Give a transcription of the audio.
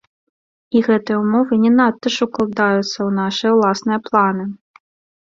І гэтыя ўмовы не надта ж укладаюцца ў нашы ўласныя планы.